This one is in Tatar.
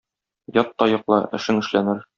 Ят та йокла, эшең эшләнер.